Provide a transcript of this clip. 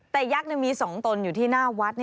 แต่ยักษ์มี๒ตนอยู่ที่หน้าวัด